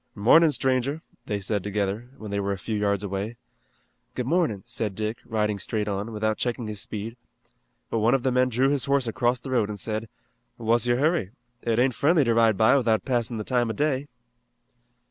"Mornin' stranger," they said together, when they were a few yards away. "Good morning," said Dick, riding straight on, without checking his speed. But one of the men drew his horse across the road and said: "What's your hurry? It ain't friendly to ride by without passin' the time o' day."